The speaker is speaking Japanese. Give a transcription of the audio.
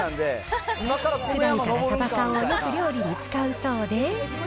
ふだんからサバ缶をよく料理に使うそうで。